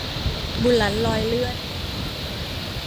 บุหลันลอยเลื่อน